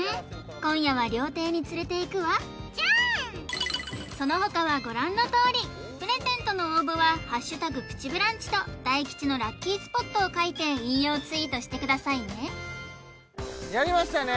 今夜は料亭に連れていくわそのほかはご覧のとおりプレゼントの応募は「＃プチブランチ」と大吉のラッキースポットを書いて引用ツイートしてくださいねやりましたね